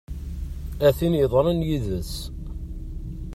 A tin yeḍran yid-sen!